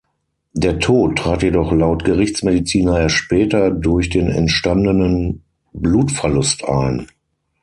Der Tod trat jedoch laut Gerichtsmediziner erst später durch den entstandenen Blutverlust ein.